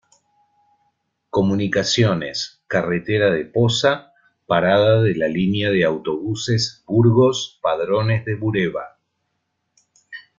Comunicaciones: Carretera de Poza, parada de la línea de autobuses Burgos–Padrones de Bureba.